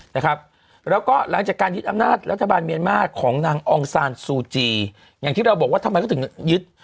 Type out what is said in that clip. นะครับแล้วก็หลังจากการยึดอำนาจรัฐบาลเมียนมาร์ของนางองซานซูจีอย่างที่เราบอกว่าทำไมเขาถึงยึด